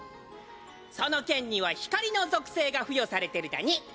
その剣には光の属性が付与されてるだに。